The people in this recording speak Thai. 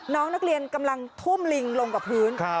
น้องนักเรียนกำลังทุ่มลิงลงกับพื้น